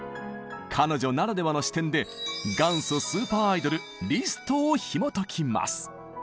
彼女ならではの視点で元祖スーパーアイドルリストをひもときます！